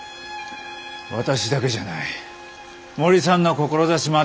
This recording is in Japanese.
私だけじゃない森さんの志までが。